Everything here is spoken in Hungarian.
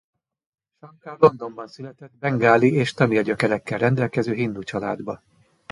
Shankar Londonban született bengáli és tamil gyökerekkel rendelkező hindu családba.